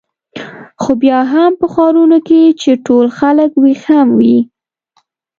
خو بیا هم په ښارونو کې چې ټول خلک وېښ هم وي.